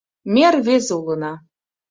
Ме рвезе улына.